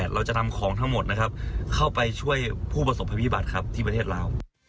เราจะนำของทั้งหมดนะครับเข้าไปช่วยผู้ประสบภัยพิบัติครับที่ประเทศลาว